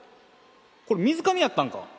これ水上やったんか。